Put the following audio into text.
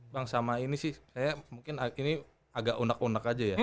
bang sama ini sih saya mungkin ini agak unek unek aja ya